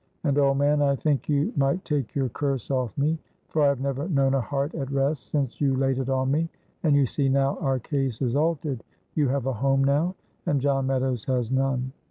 And, old man, I think you might take your curse off me, for I have never known a heart at rest since you laid it on me, and you see now our case is altered you have a home now and John Meadows has none."